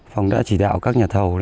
phòng đã chỉ đạo các nhà thầu